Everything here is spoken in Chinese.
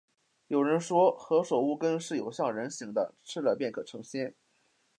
有人说，何首乌根是有像人形的，吃了便可以成仙